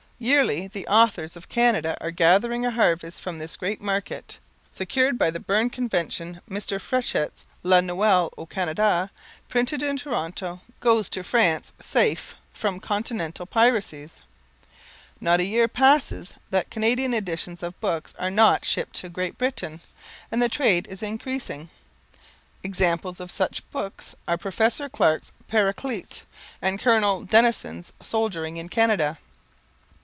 Yearly the authors of Canada are gathering a harvest from this great market. Secured by the Berne Convention, Mr. Frechette's "La Noël au Canada," printed in Toronto, goes to France safe from continental piracies. Not a year passes that Canadian editions of books are not shipped to Great Britain, and the trade is increasing. Examples of such books are Professor Clark's "Paraclete" and Colonel Denison's "Soldiering in Canada."